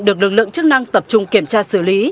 được lực lượng chức năng tập trung kiểm tra xử lý